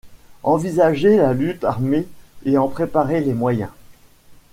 Envisager la lutte armée et en préparer les moyens.